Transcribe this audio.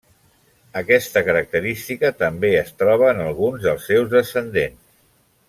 Aquesta característica també es troba en alguns dels seus descendents.